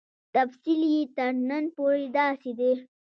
تفصیل یې تر نن پورې داسې دی.